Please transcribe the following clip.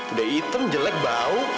udah hitam jelek bau